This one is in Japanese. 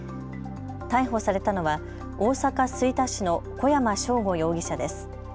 逮捕されたのは大阪吹田市の小山尚吾容疑者です。